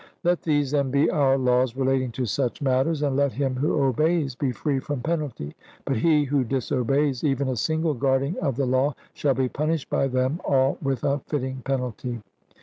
Let these, then, be our laws relating to such matters, and let him who obeys be free from penalty; but he who disobeys even a single guardian of the law shall be punished by them all with a fitting penalty.